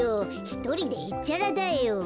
ひとりでへっちゃらだよ。